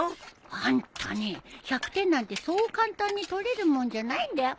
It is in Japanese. あんたね１００点なんてそう簡単に取れるもんじゃないんだよ。